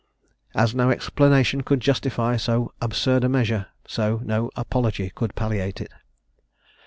As no explanation could justify so absurd a measure, so no apology could palliate it.